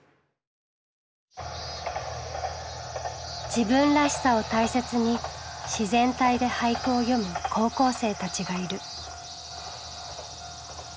自分らしさを大切に自然体で俳句を詠む高校生たちがいる。